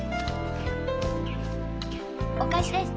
お返しです。